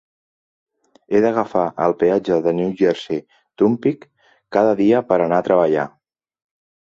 He d'agafar el peatge de New Jersey Turnpike cada dia per anar a treballar.